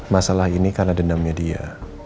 masalah ini karena dendamnya dia